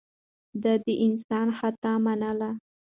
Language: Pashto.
ده د انسان خطا منله.